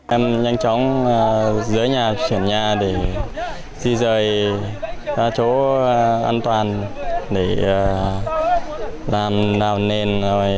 em nhanh chóng dưới nhà chuyển nhà để di rời chỗ an toàn để làm đào nền